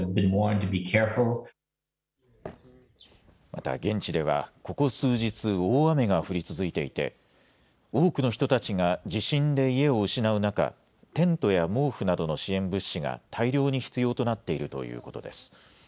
また現地ではここ数日、大雨が降り続いていて多くの人たちが地震で家を失う中、テントや毛布などの支援物資が大量に必要となっているということです。